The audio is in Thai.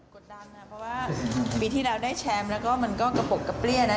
ดดันนะเพราะว่าปีที่แล้วได้แชมป์แล้วก็มันก็กระปกกระเปรี้ยนะ